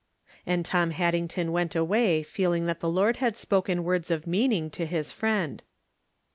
And Tom Haddington went away feeling that the Lord had spoken words of meaning to his friend.